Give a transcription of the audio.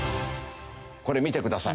これ見てください。